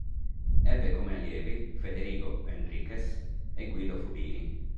Ebbe come allievi Federigo Enriques e Guido Fubini.